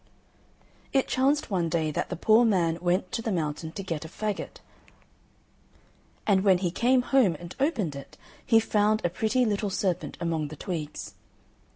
It chanced one day that the poor man went to the mountain to get a faggot, and when he came home and opened it he found a pretty little serpent among the twigs.